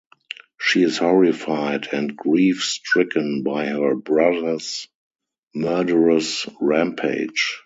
She is horrified and grief-stricken by her brothers' murderous rampage.